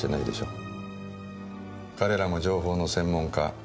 彼らも情報の専門家。